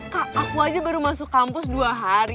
kak aku aja baru masuk kampus dua hari